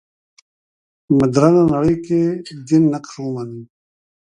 مډرنه نړۍ کې دین نقش ومنو.